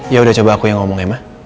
ya udah coba aku yang ngomong ya mah